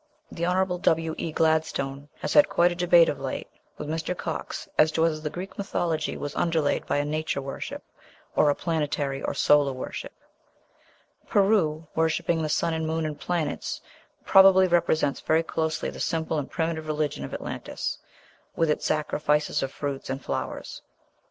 The Hon. W. E. Gladstone has had quite a debate of late with Mr. Cox as to whether the Greek mythology was underlaid by a nature worship, or a planetary or solar worship. Peru, worshipping the sun and moon and planets, probably represents very closely the simple and primitive religion of Atlantis, with its sacrifices of fruits and flowers.